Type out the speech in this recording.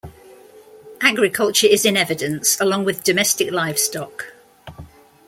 Agriculture is in evidence, along with domestic livestock.